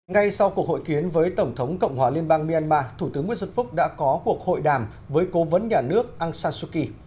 ngay sau cuộc hội kiến với tổng thống cộng hòa liên bang myanmar thủ tướng nguyễn xuân phúc đã có cuộc hội đàm với cố vấn nhà nước aung sasuki